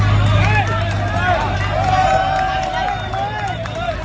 อันนี้ก็มันถูกประโยชน์ก่อน